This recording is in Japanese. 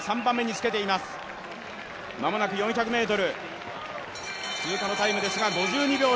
まもなく４００ｍ通過のタイムですが５２秒０７。